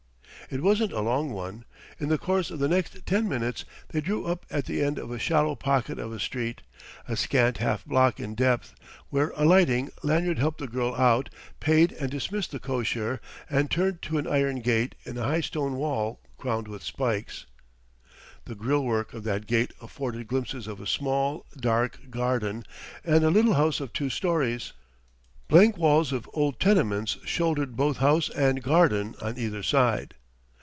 It wasn't a long one; in the course of the next ten minutes they drew up at the end of a shallow pocket of a street, a scant half block in depth; where alighting, Lanyard helped the girl out, paid and dismissed the cocher, and turned to an iron gate in a high stone wall crowned with spikes. The grille work of that gate afforded glimpses of a small, dark garden and a little house of two storeys. Blank walls of old tenements shouldered both house and garden on either side.